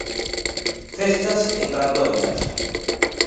Festas en Brandoñas.